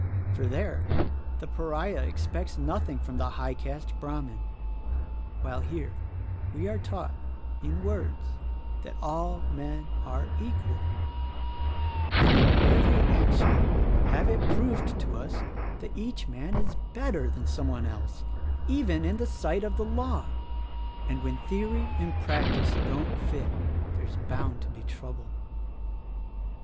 For, there, the Pariah expects nothing from the high caste Brahmin; while here, we are taught — in words — that all men are equal; and in every action have it proved to us that each man is better than some one else, even in the sight of the law: — and when theory and practice don't fit there's bound to be trouble."